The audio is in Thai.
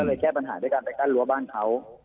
ก็เลยแก้ปัญหาด้วยการไปกั้นรั้วบ้านเขา